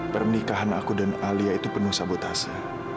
pernikahan aku dan alia itu penuh sabotase